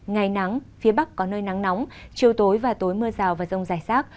ngày nắng phía bắc có nơi nắng nóng chiều tối và tối mưa rào và rông dài sát